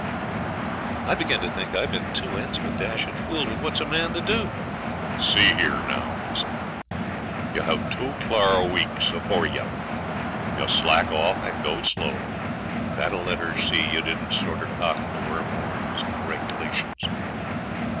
'I begin to think I've been two ends of a dashed fool; but what's a man to do?' 'See here, now,' he said; 'you hev two cl'ar weeks afore ye. You slack off and go slow; that'll let her see you didn't sorter cotton to her more'n's in the regulations.'